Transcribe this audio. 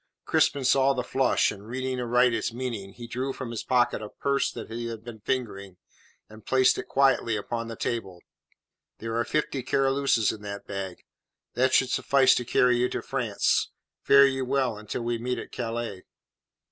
Crispin saw the flush, and reading aright its meaning, he drew from his pocket a purse that he had been fingering, and placed it quietly upon the table. "There are fifty Caroluses in that bag. That should suffice to carry you to France. Fare you well until we meet at Calais."